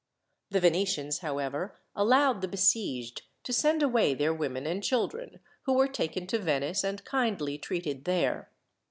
The Venetians, however, allowed the besieged to send away their women and children, who were taken to Venice and kindly treated there.